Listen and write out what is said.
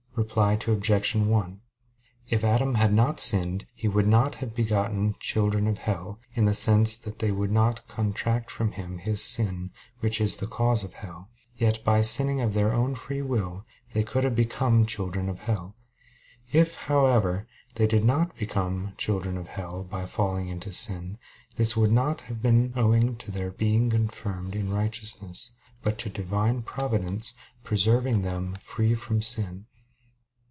Reply Obj. 1: If Adam had not sinned, he would not have begotten "children of hell" in the sense that they would contract from him sin which is the cause of hell: yet by sinning of their own free will they could have become "children of hell." If, however, they did not become "children of hell" by falling into sin, this would not have been owing to their being confirmed in righteousness, but to Divine Providence preserving them free from sin.